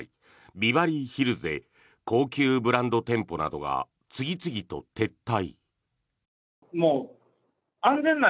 ビバリーヒルズで高級ブランド店舗などが次々と撤退。